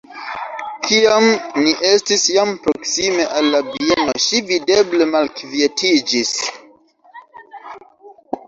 Kiam ni estis jam proksime al la bieno, ŝi, videble, malkvietiĝis.